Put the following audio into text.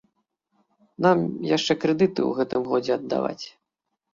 Нам яшчэ крэдыты ў гэтым годзе аддаваць.